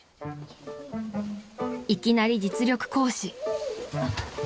［いきなり実力行使］